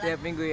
tiap minggu ya